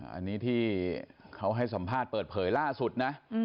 อันนี้ที่เขาให้สัมภาษณ์เปิดเผยล่าสุดนะ